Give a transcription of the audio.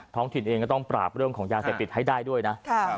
ท้องถิ่นเองก็ต้องปราบเรื่องของยาเสพติดให้ได้ด้วยนะ